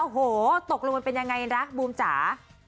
โอ้โหตกลงมันเป็นยังไงนะบูมจ๋า